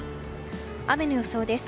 雨の予想です。